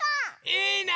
いいね！